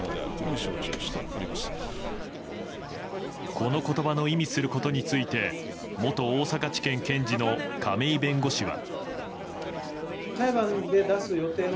この言葉の意味することについて元大阪地検検事の亀井弁護士は。